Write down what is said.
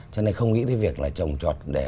cho nên không nghĩ đến việc là trồng trọt